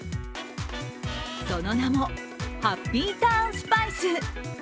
その名もハッピーターンスパイス。